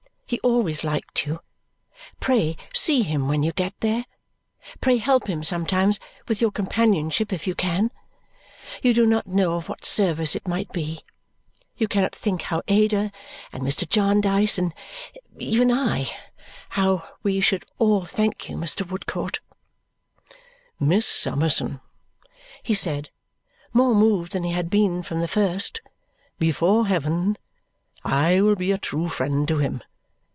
He always liked you. Pray see him when you get there. Pray help him sometimes with your companionship if you can. You do not know of what service it might be. You cannot think how Ada, and Mr. Jarndyce, and even I how we should all thank you, Mr. Woodcourt!" "Miss Summerson," he said, more moved than he had been from the first, "before heaven, I will be a true friend to him!